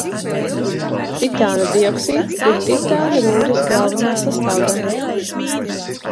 Titāna dioksīds ir titāna rūdas galvenā sastāvdaļa.